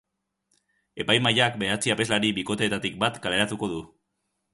Epaimahaiak bederatzi abeslari bikoteetatik bat kaleratuko du.